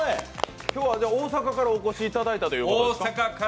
今日は大阪からお越しいただいたんですか？